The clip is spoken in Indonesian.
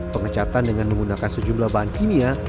pengecatan dengan menggunakan sejumlah bahan kimia